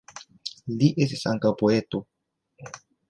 Li estis ankaŭ poeto.